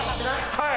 はい。